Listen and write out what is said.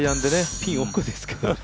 ピン奥ですからね。